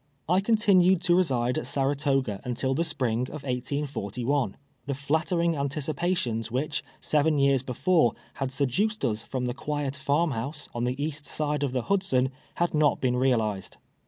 I continued to reside at Saratoga until the spring of 184:1. The flattering anticipiitions which, seven years before, had seduced us from the quiet farm house, on the east side of the Hudson, had not been realized.